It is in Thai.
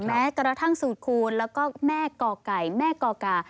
แม้กระทั่งสูตรคูณแล้วก็แม่ก่อไก่แม่กอกา